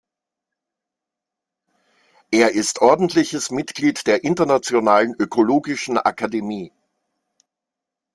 Er ist ordentliches Mitglied der Internationalen Ökologischen Akademie.